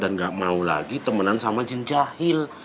dan gak mau lagi temenan sama jin jahil